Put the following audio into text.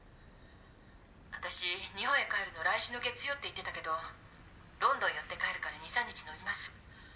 「私日本へ帰るの来週の月曜って言ってたけどロンドン寄って帰るから２３日延びます」